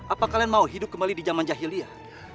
apa kalian mau hidup kembali di zaman jahiliyah